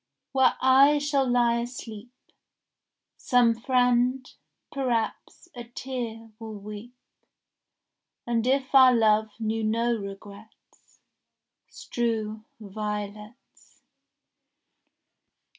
Where I shall lie asleep, Some friend, perhaps, a tear will weep, And if our love knew no regrets, Strew violets.